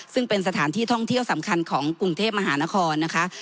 ซึ่งเป็นสถานที่ท่องเที่ยวสำคัญของกรุงเทพมหานครนะคะ